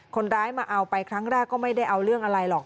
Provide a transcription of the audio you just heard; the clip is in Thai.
คนร้ายมาเอาไปครั้งแรกก็ไม่ได้เอาเรื่องอะไรหรอก